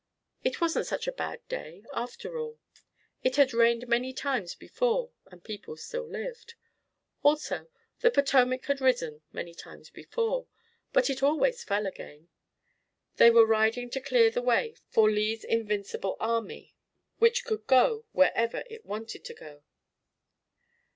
It wasn't such a bad day after all! It had rained many times before and people still lived. Also, the Potomac had risen many times before, but it always fell again. They were riding to clear the way for Lee's invincible army which could go wherever it wanted to go.